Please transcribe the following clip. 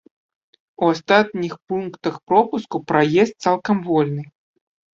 У астатніх пунктах пропуску праезд цалкам вольны.